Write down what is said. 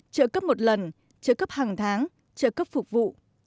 trợ cấp một lần trợ cấp hàng tháng trợ cấp phục vụ